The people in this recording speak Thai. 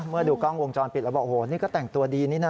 เมื่อดูกล้องวงจรปิดแล้วบอกโอ้โหนี่ก็แต่งตัวดีนี่นะ